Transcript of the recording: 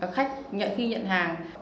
khách nhận khi nhận hàng thì chúng tôi sẽ ghi là